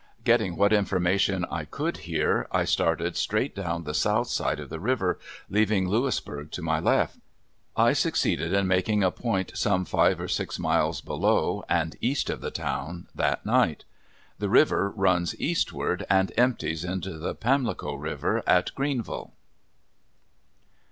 Getting what information I could here, I started straight down the south side of the river, leaving Louisburg to my left. I succeeded in making a point some five or six miles below, and east of the town, that night. The river runs eastward and empties into the Pamlico river at Greenville.